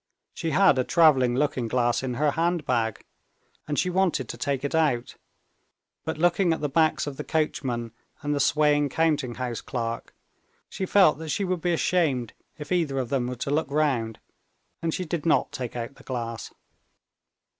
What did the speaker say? She had a traveling looking glass in her handbag, and she wanted to take it out; but looking at the backs of the coachman and the swaying counting house clerk, she felt that she would be ashamed if either of them were to look round, and she did not take out the glass.